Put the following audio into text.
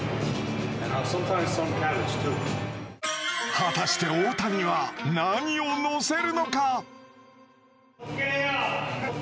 果たして大谷は何を乗せるのか。